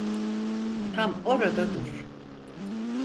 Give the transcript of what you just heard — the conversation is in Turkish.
Tam orada dur.